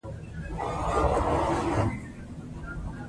د سیندونو په اوبو کې د کثافاتو اچول لویه ګناه ده.